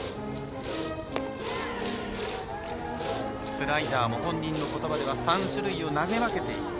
スライダーも本人のことばでは３種類投げ分けている。